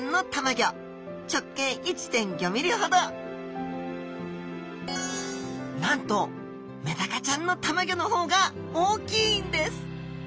一方こちらはなんとメダカちゃんのたまギョの方が大きいんです